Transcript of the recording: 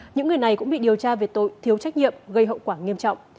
những người này cũng bị điều tra về tội thiếu trách nhiệm gây hậu quả nghiêm trọng